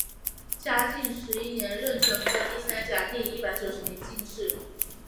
嘉靖十一年壬辰科第三甲第一百九十名进士。